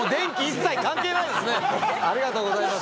ありがとうございます。